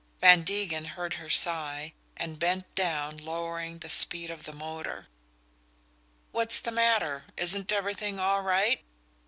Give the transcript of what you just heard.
Van Degen heard her sigh, and bent down, lowering the speed of the motor. "What's the matter? Isn't everything all right?"